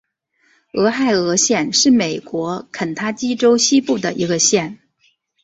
俄亥俄县是美国肯塔基州西部的一个县。